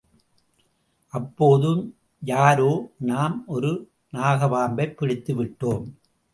அப்போது யாரோ, நாம் ஒரு நாகப் பாம்பைப் பிடித்துவிட்டோம்!